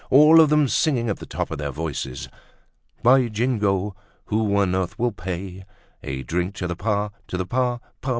All of them singing at the top of their voices: "By Jingo! who on earth will pay A drink to the pa—to the pa—pa—?